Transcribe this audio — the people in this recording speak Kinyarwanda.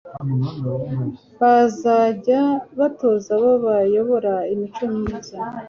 bazajye batoza abo bayobora imico myiza